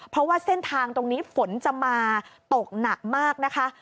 เพราะว่าเส้นทางตรงนี้ฝนจะมาตกหนักมากนะคะ